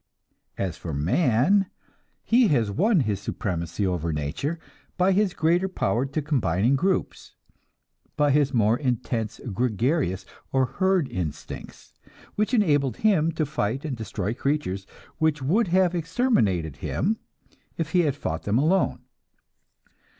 As for man, he has won his supremacy over nature by his greater power to combine in groups; by his more intense gregarious, or herd instincts, which enabled him to fight and destroy creatures which would have exterminated him if he had fought them alone.